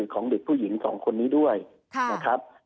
ของเด็กผู้หญิง๒คนนี้ด้วยนะครับ